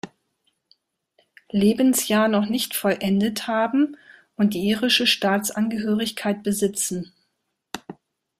Lebensjahr noch nicht vollendet haben und die irische Staatsangehörigkeit besitzen.